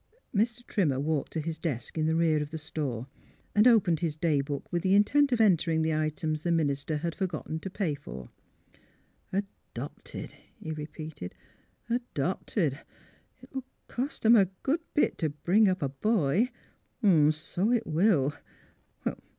Mr. Trimmer walked to his desk in the rear of the store and opened his day book, with the intent of entering the items the minister had for gotten to pay for. ''Adopted," he repeated. "Adopted! It'll cost 'em a good bit to bring up a boy. H'm! So it will.